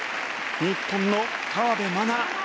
日本の河辺愛菜。